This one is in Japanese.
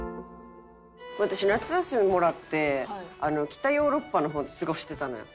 私夏休みもらって北ヨーロッパの方で過ごしてたのよ。